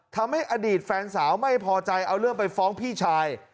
ทำให้อดีตแฟนสาวไม่พอใจเอาเรื่องไปฟ้องพี่ชาย